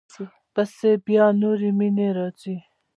پسې بیا نورې مینې راځي.